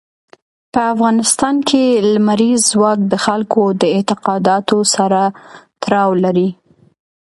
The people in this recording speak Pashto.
په افغانستان کې لمریز ځواک د خلکو د اعتقاداتو سره تړاو لري.